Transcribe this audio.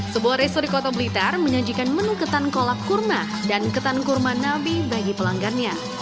sebuah resor di kota blitar menyajikan menu ketan kolak kurma dan ketan kurma nabi bagi pelanggannya